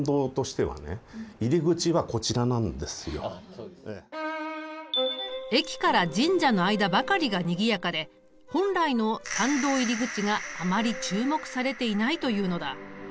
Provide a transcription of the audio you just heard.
本当は駅から神社の間ばかりがにぎやかで本来の参道入り口があまり注目されていないというのだ。